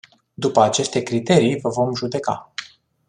După aceste criterii vă vom judeca.